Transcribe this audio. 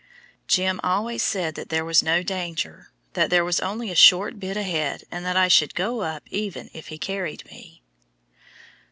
"Jim" always said that there was no danger, that there was only a short bad bit ahead, and that I should go up even if he carried me!